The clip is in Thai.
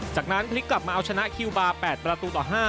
จากนั้นพลิกกลับมาเอาชนะคิวบาร์๘ประตูต่อ๕